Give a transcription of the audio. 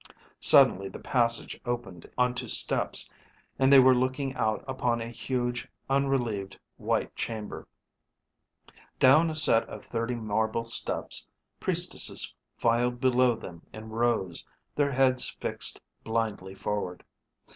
Suddenly the passage opened onto steps, and they were looking out upon a huge, unrelieved white chamber. Down a set of thirty marble steps priestesses filed below them in rows, their heads fixed blindly forward.